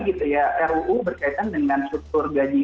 gitu ya ruu berkaitan dengan struktur gaji